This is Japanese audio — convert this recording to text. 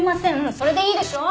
それでいいでしょ？